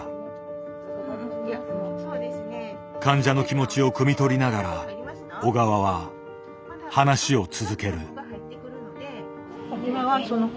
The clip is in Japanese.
患者の気持ちをくみ取りながら小川は話を続ける。